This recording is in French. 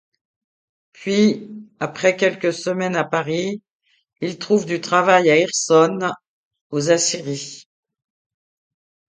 Puis après quelques semaines à Paris, il trouve du travail à Hirson, aux aciéries.